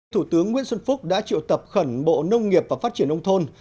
thủ tướng nguyễn xuân phúc đã triệu tập khẩn bộ nông nghiệp và phát triển nông thôn